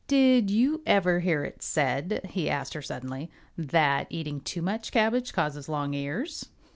"Did you ever hear it said," he asked her suddenly, "that eating too much cabbage causes long ears?"